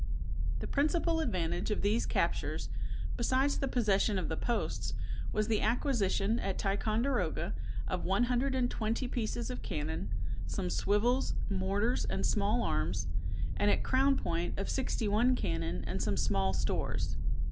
The principal advantage of these captures, besides the possession of the posts, was the acquisition, at Ticonderoga, of one hundred and twenty pieces of cannon, some swivels, mortars, and small arms; and at Crown Point, of sixty one cannon and some small stores.